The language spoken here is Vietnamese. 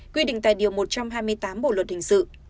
quy định tại điều một trăm hai mươi tám bộ luật hình sự